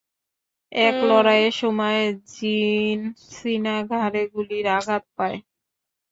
এক লড়াইয়ের সময় জিনসিনা ঘাড়ে গুলির আঘাত পায়।